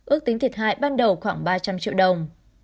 ước tính thiệt hại ban đầu khoảng ba trăm linh triệu đồng